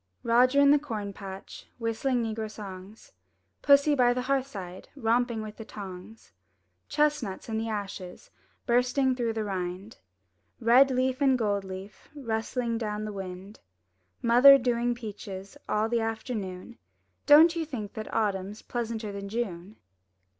260 UP ONE PAIR OF STAIRS Roger in the corn patch Whistling negro songs; Pussy by the hearth side Romping with the tongs; Chestnuts in the ashes Bursting through the rind; Red leaf and gold leaf Rustling down the wind; Mother "doin' peaches" All the afternoon, — Don't you think that autumn's Pleasanter than June?